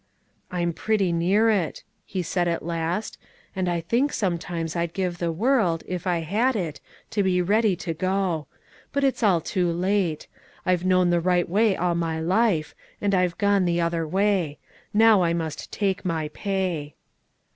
"I'm pretty near it," he said at last; "and I think sometimes I'd give the world, if I had it, to be ready to go; but it's all too late. I've known the right way all my life, and I've gone the other way; now I must just take my pay."